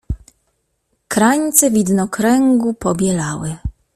Krańce widnokręgu pobielały.